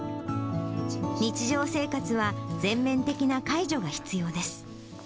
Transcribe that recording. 日常生活は全面的な介助が必要です。